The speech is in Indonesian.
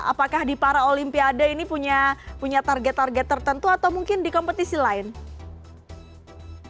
apakah di para olimpiade ini punya target target tertentu atau mungkin di kompetisi lain